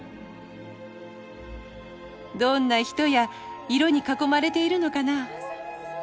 「どんな人や色に囲まれているのかな？」。